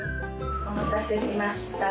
お待たせしました。